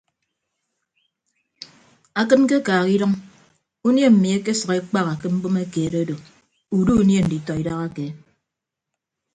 Akịd ñkekaaha idʌñ unie mmi ekesʌk ekpaha ke mbume keed ado udu unie nditọ idahake.